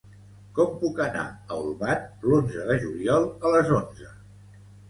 Com puc anar a Olvan l'onze de juliol a les onze?